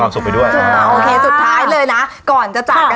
สึงเลยนะครับ